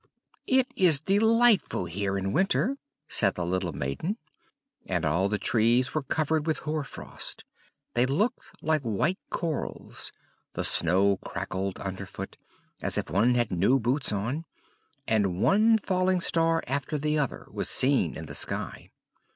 "It is delightful here in winter!" said the little maiden. And all the trees were covered with hoar frost; they looked like white corals; the snow crackled under foot, as if one had new boots on; and one falling star after the other was seen in the sky.